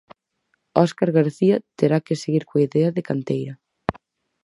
Óscar García terá que seguir coa idea de canteira.